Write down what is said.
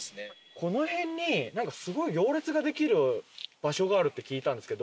この辺にすごい行列ができる場所があるって聞いたんですけど。